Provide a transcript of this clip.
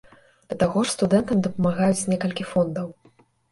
Да таго ж, студэнтам дапамагаюць некалькі фондаў.